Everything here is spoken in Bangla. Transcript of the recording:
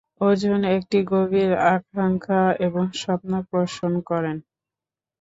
অর্জুন একটি গভীর আকাঙ্ক্ষা এবং স্বপ্ন পোষণ করেন।